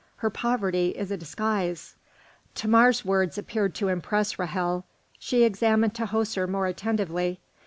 Her poverty is a disguise." Thamar's words appeared to impress Ra'hel; she examined Tahoser more attentively.